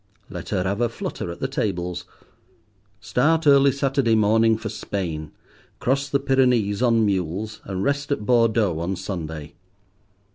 Let her have a flutter at the tables. Start early Saturday morning for Spain, cross the Pyrenees on mules, and rest at Bordeaux on Sunday.